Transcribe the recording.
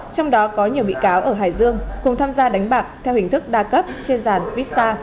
trong đó có nhiều bị cáo ở hải dương cùng tham gia đánh bạc theo hình thức đa cấp trên giàn vitsa